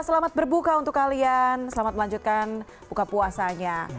selamat berbuka untuk kalian selamat melanjutkan buka puasanya